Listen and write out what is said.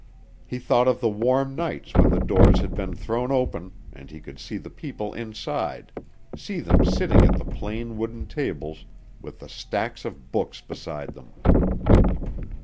He thought of the warm nights when the doors had been thrown open and he could see the people inside, see them sitting at the plain wooden tables with the stacks of books beside them.